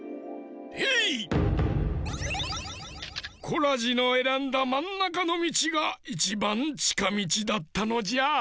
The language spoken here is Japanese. コラジのえらんだまんなかのみちがいちばんちかみちだったのじゃ。